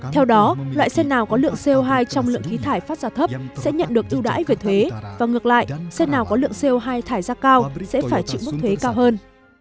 theo đó loại xe nào có lượng co hai trong lượng khí thải phát ra thấp sẽ nhận được ưu đãi về thuế và ngược lại xe nào có lượng co hai thải ra cao sẽ phải chịu mức thuế cao hơn